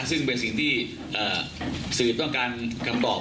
ซึ่งเป็นสิ่งที่สื่อต้องการคำตอบ